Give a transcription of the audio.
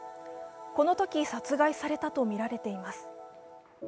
このとき殺害されたとみられています。